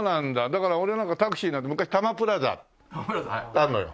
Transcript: だから俺なんかタクシー昔たまプラーザあるのよ。